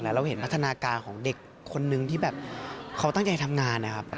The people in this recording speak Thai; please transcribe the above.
เราเห็นพัฒนาการของเด็กคนนึงที่แบบเขาตั้งใจทำงานนะครับ